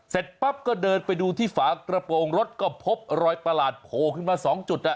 เสร็จปั๊บก็เดินไปดูที่ฝากระโปรงรถก็พบรอยประหลาดโผล่ขึ้นมา๒จุด